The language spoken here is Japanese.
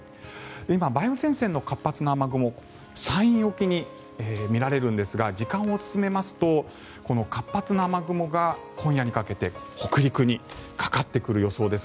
今、梅雨前線の活発な雨雲山陰沖に見られますが時間を進めますと活発な雨雲が今夜にかけて北陸にかかってくる予想です。